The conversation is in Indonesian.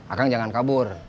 akang jangan kabur